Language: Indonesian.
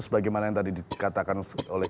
sebagaimana yang tadi dikatakan oleh